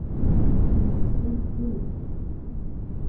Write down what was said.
Дымҵысӡо дгылоуп!